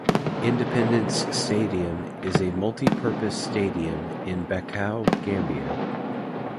Independence Stadium is a multi-purpose stadium in Bakau, Gambia.